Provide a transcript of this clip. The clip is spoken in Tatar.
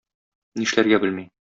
Нишләргә белми.